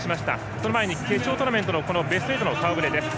その前に決勝トーナメントのベスト４の顔ぶれです。